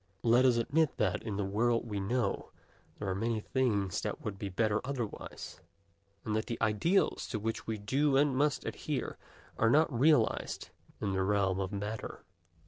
Let us admit that, in the world we know there are many things that would be better otherwise, and that the ideals to which we do and must adhere are not realized in the realm of matter.